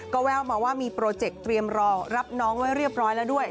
ก็แววมาว่ามีโปรเจกต์เตรียมรอรับน้องไว้เรียบร้อยแล้วด้วย